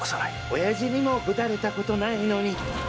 おやじにもぶたれたことないのに！